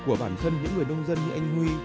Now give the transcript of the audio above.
của bản thân những người nông dân như anh huy